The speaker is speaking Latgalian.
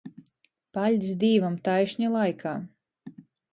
Paļdis Dīvam, taišni laikā.